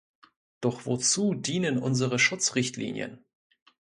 Doch wozu dienen unsere Schutzrichtlinien?